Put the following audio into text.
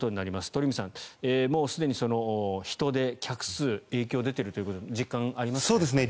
鳥海さん、もうすでに人出客数、影響出ているということで実感がありますね。